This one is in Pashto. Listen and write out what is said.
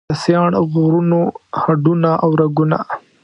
د سیاڼ غرونو هډونه او رګونه